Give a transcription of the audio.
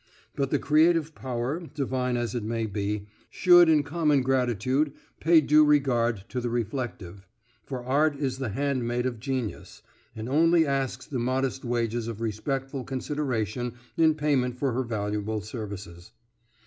But the creative power, divine as it may be, should in common gratitude pay due regard to the reflective; for Art is the handmaid of Genius, and only asks the modest wages of respectful consideration in payment for her valuable services.